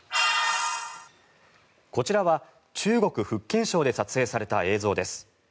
こちらは中国・福建省で撮影された映像です。